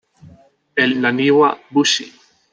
El Naniwa-bushi.